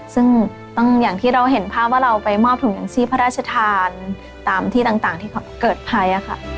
ซึ่งต้องอย่างที่เราเห็นภาพว่าเราไปมอบถุงยางชีพพระราชทานตามที่ต่างที่เกิดภัยค่ะ